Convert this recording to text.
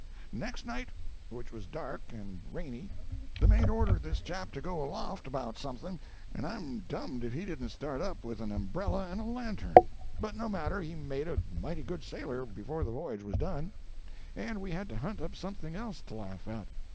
Next night, which was dark and rainy, the mate ordered this chap to go aloft about something, and I'm dummed if he didn't start up with an umbrella and a lantern! But no matter; he made a mighty good sailor before the voyage was done, and we had to hunt up something else to laugh at.